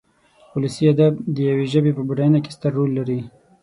ولسي ادب د يوې ژبې په بډاينه کې ستر رول لري.